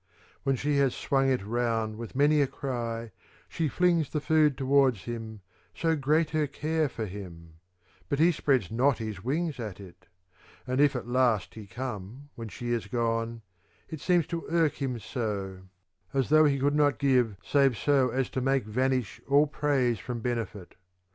When she has swung it round* with many a cry she flings the food towards him, so great her cars for him ; but he spreads not his wings at it : and if at last he come, when she is gone, it seems to irk him so [lis] As though he could not give save so as to make vanish All praise from benefit.